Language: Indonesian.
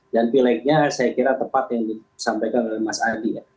dan pileknya saya kira tepat yang disampaikan oleh mas adi ya